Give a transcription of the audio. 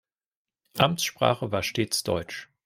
Amtssprache war stets Deutsch.